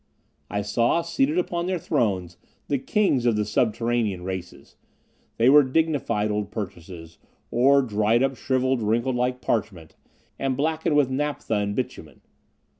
I saw, seated upon their thrones, the kings of the subterranean races. They were dignified old personages, or dried up, shriveled, wrinkled like parchment, and blackened with naphtha and bitumen.